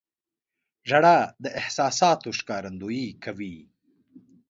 • ژړا د احساساتو ښکارندویي کوي.